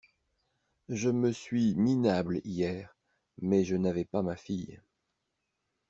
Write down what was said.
Je me suis minable hier mais je n'avais pas ma fille.